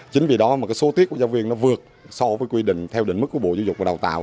chính vì đó mà số tiết của giáo viên vượt so với quy định theo định mức của bộ du dục và đào tạo